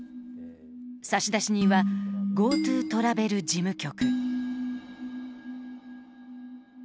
差出人はＧｏＴｏトラベル事務局。